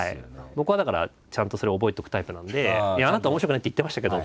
僕はだからちゃんとそれを覚えておくタイプなので「あなた面白くないって言ってましたけど」